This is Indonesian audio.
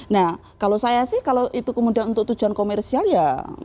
nah kalau saya sih kalau itu kemudian untuk tujuan komersial ya